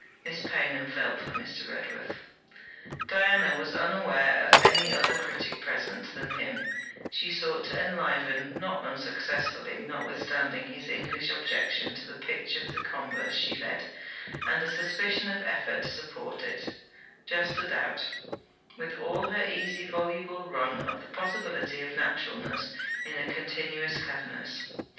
Miss Paynham felt for Mr. Redworth. Diana was unaware of any other critic present than him she sought to enliven, not unsuccessfully, notwithstanding his English objection to the pitch of the converse she led, and a suspicion of effort to support it: just a doubt, with all her easy voluble run, of the possibility of naturalness in a continuous cleverness.